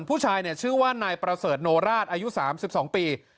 ผู้ชายชื่อว่านายประเสริฐโนราชอายุ๓๒ปี